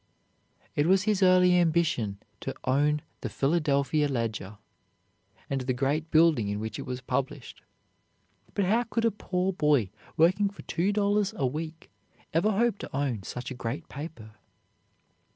It was his early ambition to own the "Philadelphia Ledger" and the great building in which it was published; but how could a poor boy working for $2.00 a week ever hope to own such a great paper?